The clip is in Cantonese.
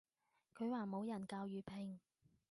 佢話冇人教粵拼